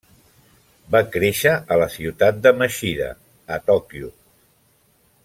Va créixer a la ciutat de Machida, a Tòquio.